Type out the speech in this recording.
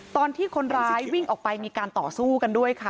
ตอนที่คนร้ายวิ่งออกไปมีการต่อสู้กันด้วยค่ะ